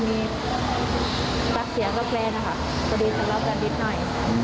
ตัดเสียงก็แกล้นค่ะพอดีก็รับกันนิดหน่อย